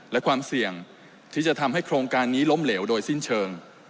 และความเสี่ยงที่จะทำให้โครงการนี้ล้มเหลวโดยสิ้นเชิง